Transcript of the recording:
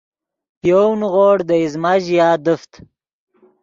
پے یَؤْ نیغوڑ دے ایزمہ ژیا دیفت